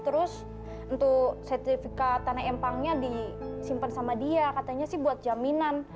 terus untuk sertifikat tanah empangnya disimpan sama dia katanya sih buat jaminan